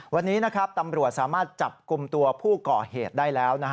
วันนี้ตำรวจสามารถจับกลุ่มตัวผู้ก่อเหตุได้แล้ว